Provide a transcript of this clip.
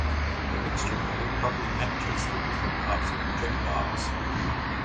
The mixture model properly captures the different types of projectiles.